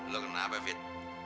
lu kenapa fit